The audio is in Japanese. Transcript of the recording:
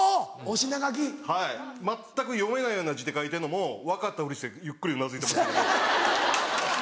はい全く読めないような字で書いてんのも分かったふりしてゆっくりうなずいてます。